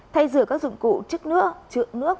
thay giữa các dụng cụ chứa nước chữa nước